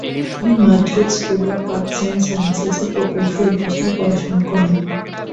তিনি Madrid school of arts and সায়েন্সেসে প্রকৌশল বিষয়ে পড়াশোনা করেন।